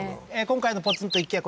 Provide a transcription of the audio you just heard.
今回のポツンと一軒家